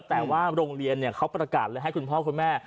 แต่ว่าโรงเรียนเขาประกาศเลยให้คุณพ่อคุณแม่